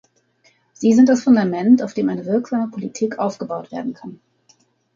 Sie sind das Fundament, auf dem eine wirksame Politik aufgebaut werden kann.